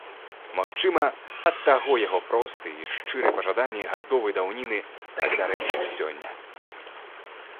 Магчыма, ад таго яго простыя і шчырыя пажаданні гадовай даўніны так дарэчы сёння.